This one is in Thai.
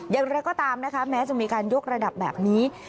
อย่างไรก็ตามนะคะแม้จะมีการยกระดับแบบนี้